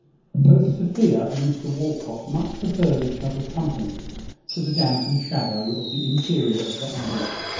Both Sophia and Mr Walcot much preferred each other's company to the damp and shadow of the interior of the abbey.